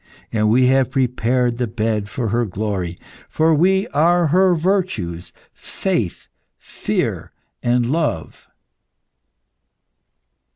And we have prepared the bed of her glory, for we are her virtues Faith, Fear, and Love.